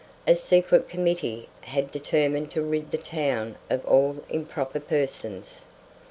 A secret committee had determined to rid the town of all improper persons.